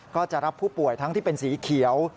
ก็จะรับผู้ป่วยทั้งที่เป็นสีเขียว